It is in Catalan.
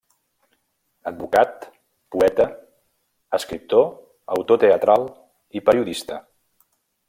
Advocat, poeta, escriptor, autor teatral i periodista.